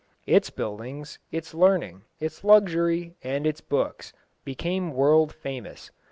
Its buildings, its learning, its luxury, and its books, became world famous.